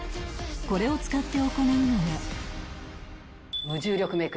これを使って行うのが